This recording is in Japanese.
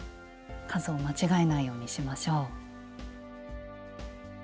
数を間違えないようにしましょう。